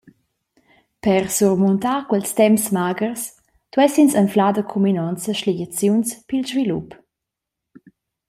Per surmuntar quels temps maghers duess ins anflar da cuminonza sligiaziuns pil svilup.